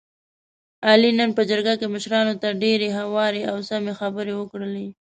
علي نن په جرګه کې مشرانو ته ډېرې هوارې او سمې خبرې وکړلې.